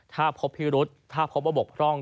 ถ้าพบพฤษฐ์ถ้าพบระบบพร่อง